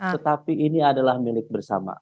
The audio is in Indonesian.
tetapi ini adalah milik bersama